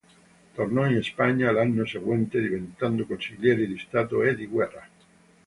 Tornò in Spagna l'anno seguente, diventando consigliere di stato e di guerra.